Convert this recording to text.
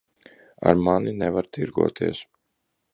Ar mani nevar tirgoties.